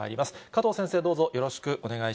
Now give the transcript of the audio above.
加藤先生、どうぞよろしくお願い